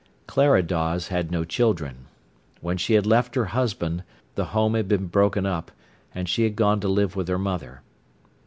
Clara Dawes had no children. When she had left her husband the home had been broken up, and she had gone to live with her mother.